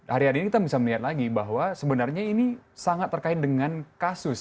hari hari ini kita bisa melihat lagi bahwa sebenarnya ini sangat terkait dengan kasus